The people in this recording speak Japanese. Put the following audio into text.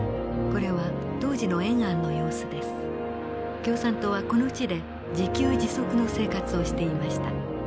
共産党はこの地で自給自足の生活をしていました。